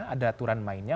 ada aturan mainnya